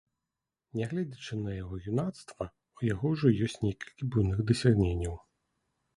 Нягледзячы на яго юнацтва, у яго ўжо ёсць некалькі буйных дасягненняў.